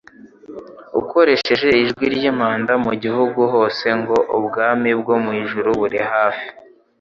akoresheje ijwi ry'impanda mu gihugu hose ngo: "Ubwami bwo mu ijuru buri hafi."